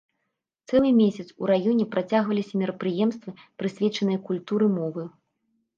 Цэлы месяц у раёне працягваліся мерапрыемствы, прысвечаныя культуры мовы.